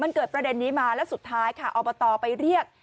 มันเกิดประเด็นนี้มาแล้วสุดท้ายค่ะอบตไปเรียก